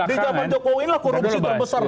dan di zaman jokowi ini korupsi terbesar